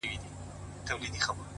ما د وحشت په زمانه کي زندگې کړې ده،